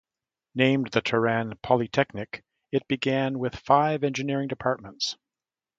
Named the Tehran Polytechnic, it began with five engineering departments.